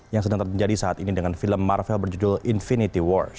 yang sedang terjadi saat ini dengan film marvel berjudul infinity warsh